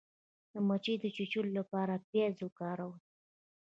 د مچۍ د چیچلو لپاره پیاز وکاروئ